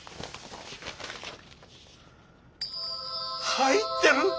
入ってる！